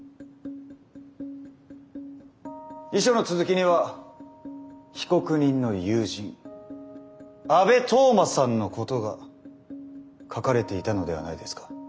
遺書の続きには被告人の友人阿部透真さんのことが書かれていたのではないですか？